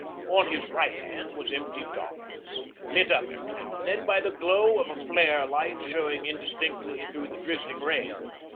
On his right hand was empty darkness, lit up every now and then by the glow of a flare light showing indistinctly through the drizzling rain.